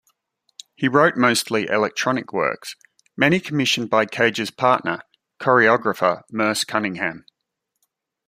He wrote mostly electronic works, many commissioned by Cage's partner, choreographer Merce Cunningham.